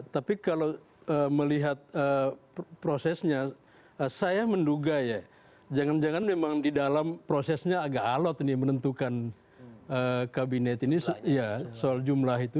tapi kalau melihat prosesnya saya menduga ya jangan jangan memang di dalam prosesnya agak alot menentukan kabinet ini ya soal jumlah itu